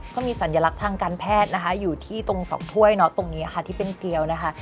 ก็มีสัญลักษณ์ทางการแพทย์นะคะอยู่ที่ตรงสองถ้วยเนาะตรงนี้ค่ะที่เป็นเกลียวนะคะ